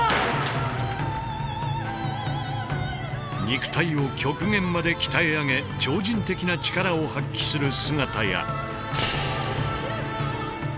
肉体を極限まで鍛え上げ超人的な力を発揮する姿や。